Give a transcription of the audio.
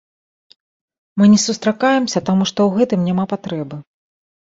Мы не сустракаемся, таму што ў гэтым няма патрэбы.